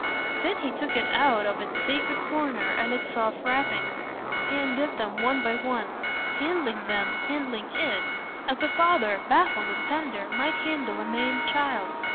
Then he took it out of its sacred corner and its soft wrappings; he undid them one by one, handling them, handling IT, as a father, baffled and tender, might handle a maimed child.